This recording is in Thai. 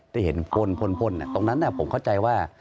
ที่เห็นพลตรงนั้นผมเข้าใจว่า